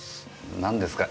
何ですか？